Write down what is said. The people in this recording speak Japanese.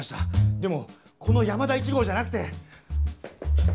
でもこの「山田１号」じゃなくて。